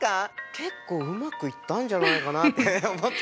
結構うまくいったんじゃないかなって思ってます。